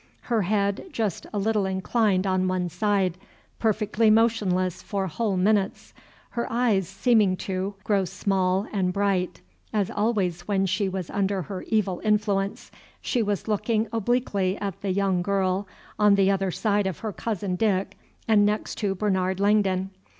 Her head just a little inclined on one side, perfectly motionless for whole minutes, her eyes seeming to, grow small and bright, as always when she was under her evil influence, she was looking obliquely at the young girl on the other side of her cousin Dick and next to Bernard Langdon.